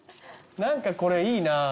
何かこれいいな。